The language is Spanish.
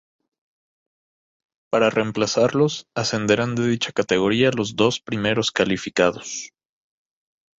Para reemplazarlos, ascenderán de dicha categoría los dos primeros clasificados.